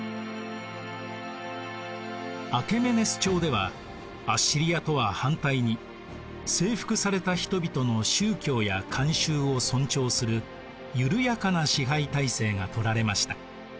アケメネス朝ではアッシリアとは反対に征服された人々の宗教や慣習を尊重する緩やかな支配体制が取られました。